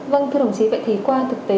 vâng thưa đồng chí vậy thì qua thực tế